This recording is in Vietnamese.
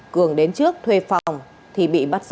cường đến trước thuê phòng thì bị bắt giữ